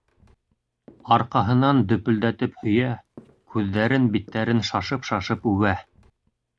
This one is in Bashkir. Арҡаһынан дөпөлдәтеп һөйә, күҙҙәрен, биттәрен шашып-шашып үбә...